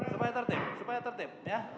supaya tertip supaya tertip